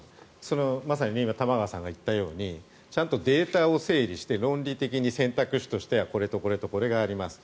まさに今玉川さんが言ったようにちゃんとデータを整理して論理的に、選択肢としてはこれとこれとこれがありますと。